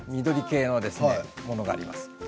緑系のものもあります。